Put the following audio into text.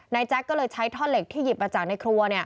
แจ๊คก็เลยใช้ท่อเหล็กที่หยิบมาจากในครัว